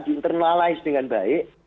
di internalize dengan baik